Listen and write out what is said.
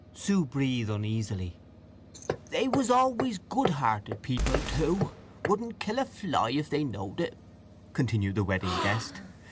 Sue breathed uneasily. "They was always good hearted people, too—wouldn't kill a fly if they knowed it," continued the wedding guest.